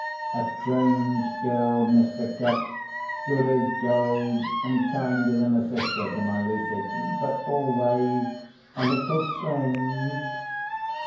A strange girl, Mr. Cuff—good as gold, and kinder than a sister to my Lucy—but always a little strange.